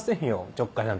ちょっかいなんて。